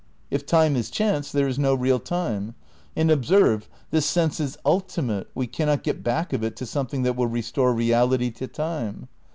If time is chance there is no real time. And, observe, this sense is "ultimate"; we can not get back of it to something that will restore reality to time.